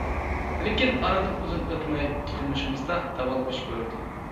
لېكىن ئارىدىن ئۇزۇن ئۆتمەي تۇرمۇشىمىزدا داۋالغۇش كۆرۈلدى.